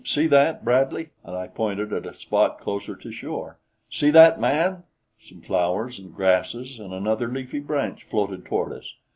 "See that, Bradley?" And I pointed at a spot closer to shore. "See that, man!" Some flowers and grasses and another leafy branch floated toward us.